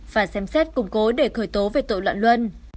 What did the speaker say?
phải xem xét củng cố để khởi tố về tội loạn luân